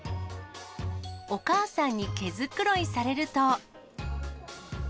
お母さんに毛繕いされると。